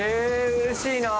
うれしいなぁ。